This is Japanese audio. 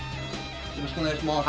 よろしくお願いします。